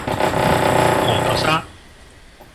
紅豆沙